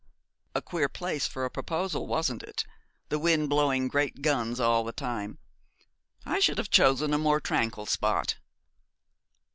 'A queer place for a proposal, wasn't it? The wind blowing great guns all the time. I should have chosen a more tranquil spot.'